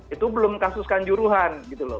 itu belum kasus kanjuruhan